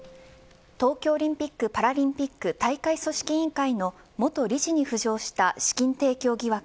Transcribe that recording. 東京オリンピック・パラリンピック大会組織委員会の元理事に浮上した資金提供疑惑。